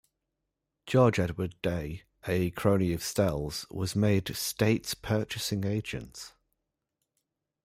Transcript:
George Edward Day, a crony of Stelle's, was made state purchasing agent.